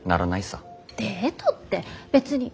デートって別に。